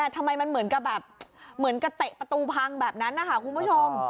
ทำไมเหมือนกับแบบเตะประตูพังแบบนั้นคุณผู้ชม